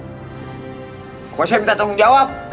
pokoknya saya minta tanggung jawab